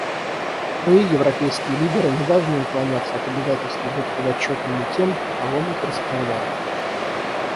Мы, европейские лидеры, не должны уклоняться от обязательства быть подотчетными тем, кого мы представляем.